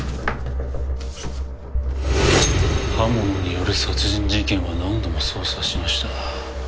刃物による殺人事件は何度も捜査しました。